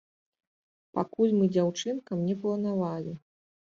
Пакуль мы дзяўчынкам не планавалі.